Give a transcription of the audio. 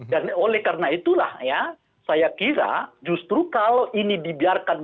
dan oleh karena itulah saya kira justru kalau ini dibiarkan dalam